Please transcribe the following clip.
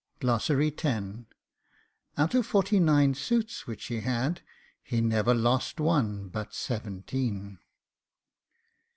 OUT OF FORTY NINE SUITS WHICH HE HAD, HE NEVER LOST ONE BUT SEVENTEEN.